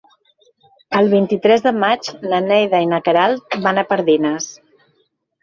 El vint-i-tres de maig na Neida i na Queralt van a Pardines.